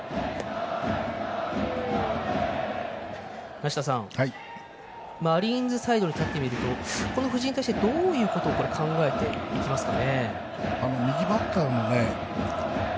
梨田さん、マリーンズサイドに立って見ると藤井に対してどういうことを考えていきますか。